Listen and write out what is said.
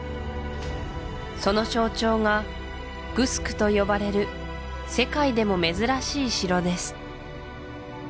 その象徴がグスクと呼ばれる世界でも珍しい城です